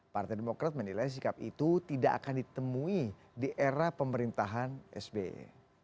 partai demokrat menilai sikap itu tidak akan ditemui di era pemerintahan sby